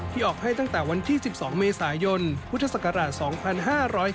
ออกให้ตั้งแต่วันที่๑๒เมษายนพุทธศักราช๒๕๔